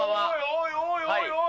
おいおいおいおい！